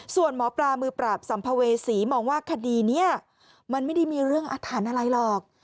ส่วนหมอปลามือปราบสัมภเวษีมองว่าคดีนี้มันไม่ได้มีเรื่องอาถรรพ์อะไรหรอก